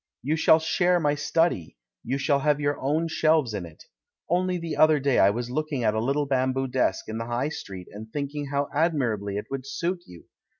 You shall share my study — you shall have your own shelves in it. Only the other day I was looking at a little bamboo desk in the High Street, and think ing how admirably it would suit you.